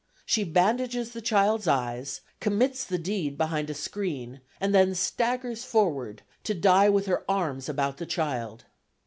She bandages the child's eyes, commits the deed behind a screen, and then staggers forward to die with her arms about the child.